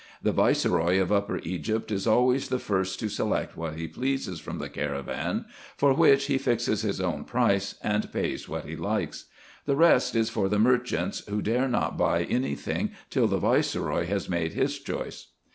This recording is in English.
The viceroy of Upper Egypt is always the first to select what he pleases from the caravan ; for which he fixes his own price, and pays what he likes. The rest is for the merchants, who dare not buy any thing till the viceroy has made his choice.